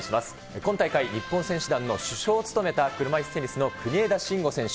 今大会、日本選手団の主将を務めた車いすテニスの国枝慎吾選手。